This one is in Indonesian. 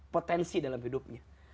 potensi dalam hidupnya